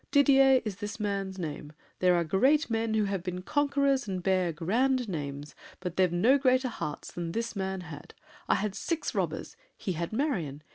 Didier is this man's name. There are great men Who have been conquerors and bear grand names, But they've no greater hearts than this man had. I had six robbers! He had Marion!